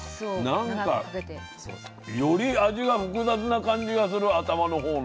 なんかより味が複雑な感じがする頭のほうのが。